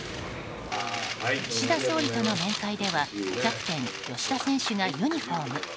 岸田総理との面会ではキャプテン、吉田選手がユニホーム。